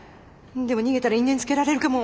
でも逃げたら因縁つけられるかも。